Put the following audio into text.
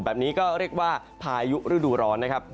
แบบนี้ก็เรียกว่าพายุฤดูร้อนนะครับ